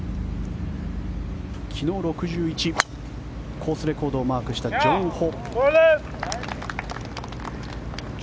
昨日、６１コースレコードをマークしたジョン・ホ。